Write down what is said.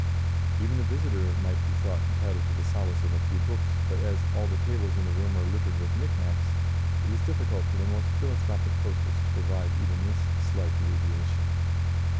Even the visitor might be thought entitled to the solace of a few books; but as all the tables in the room are littered with knick knacks, it is difficult for the most philanthropic hostess to provide even this slight alleviation.